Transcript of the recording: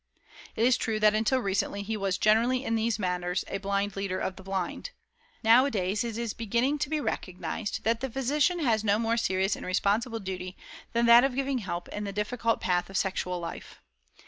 It is true that until recently he was generally in these matters a blind leader of the blind. Nowadays it is beginning to be recognized that the physician has no more serious and responsible duty than that of giving help in the difficult path of sexual life.